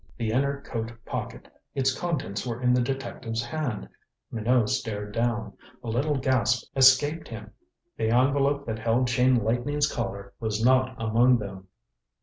The inner coat pocket! Its contents were in the detective's hand. Minot stared down. A little gasp escaped him. The envelope that held Chain Lightning's Collar was not among them!